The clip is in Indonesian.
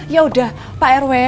yaudah pak rw